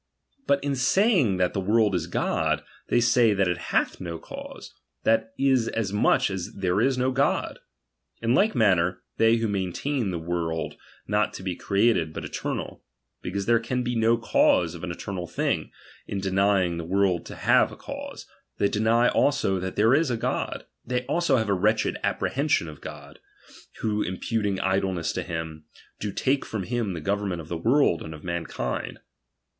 But in saying that tfcn.' world is God, they say thai it hath no cavse, th ^a is as much as there is no God. In like maun^^^^ii^ ,s. they who maintain the world not to he create ^i but eternal ; because there can be no cause of ^»e eternal thiug, in denying the world to hare ^ cause, they deny also that there is a God. Th^J'' also have a wretched apprehension of God, wliC imputiug idleness to him, do take from him tbe government of the world and of mankind.